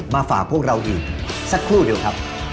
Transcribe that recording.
มาฝากพวกเราอีกสักครู่เดียวครับ